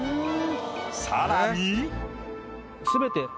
さらに。